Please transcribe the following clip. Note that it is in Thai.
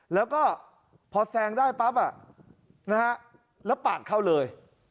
แล้วก็พอแซงได้ปั๊บแล้วปาดเข้าเลย